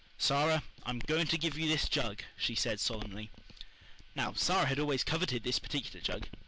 "Sara, I am going to give you this jug," she said solemnly. Now, Sara had always coveted this particular jug.